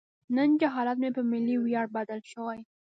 نن جهالت په ملي ویاړ بدل شوی.